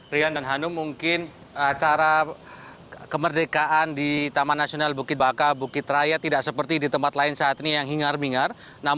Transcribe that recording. rian dan hanum mungkin acara kemerdekaan di taman nasional bukit baka bukit raya tidak seperti di tempat lain saat ini yang hingar bingar